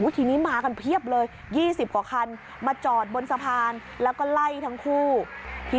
ทีนี้มากันเพียบเลย๒๐กว่าคันมาจอดบนสะพานแล้วก็ไล่ทั้งคู่ที